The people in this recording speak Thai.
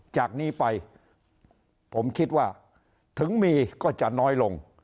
จากนี้ไปผมคิดว่าถึงมีก็จะน้อยลง